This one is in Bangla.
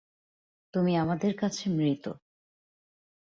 তুমি আমাদের কাছে মৃত।